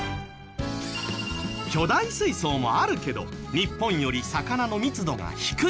巨大水槽もあるけど日本より魚の密度が低い。